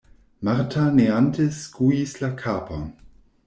Marta neante skuis la kapon.